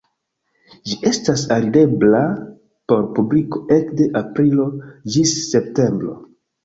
Ĝi estas alirebla por publiko ekde aprilo ĝis septembro.